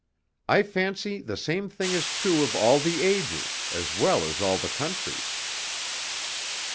I fancy the same thing is true of all the ages as well as all the countries."